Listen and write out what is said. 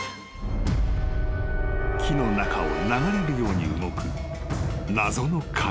［木の中を流れるように動く謎の影］